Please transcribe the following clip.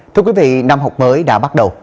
thưa quý vị năm học mới đã bắt đầu